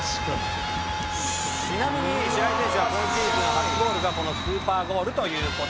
ちなみに白井選手は今シーズン初ゴールがこのスーパーゴールという事でした。